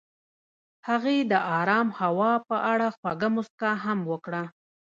هغې د آرام هوا په اړه خوږه موسکا هم وکړه.